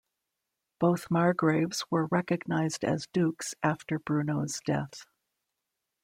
Both margraves were recognised as dukes after Bruno's death.